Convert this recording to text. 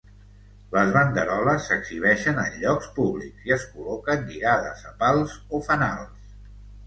Les banderoles s'exhibeixen en llocs públics i es col·loquen lligades a pals o fanals.